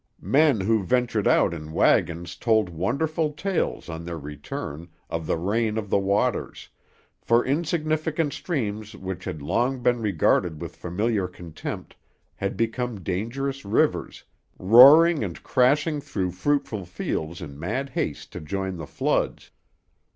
Men who ventured out in wagons told wonderful tales, on their return, of the reign of the waters, for insignificant streams which had long been regarded with familiar contempt had become dangerous rivers, roaring and crashing through fruitful fields in mad haste to join the floods.